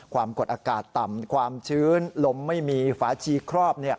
ความกดอากาศต่ำความชื้นลมไม่มีฝาชีครอบ